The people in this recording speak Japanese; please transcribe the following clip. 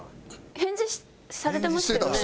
返事されてましたよね？